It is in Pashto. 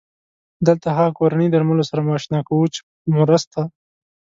دلته هغه کورني درملو سره مو اشنا کوو چې په مرسته